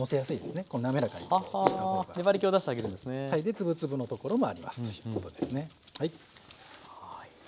で粒々のところもありますということですねはい。